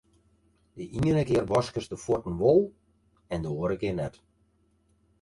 De iene kear waskest de fuotten wol en de oare kear net.